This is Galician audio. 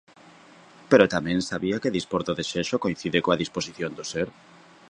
Pero tamén sabía que dispor do desexo coincide coa disposición do ser.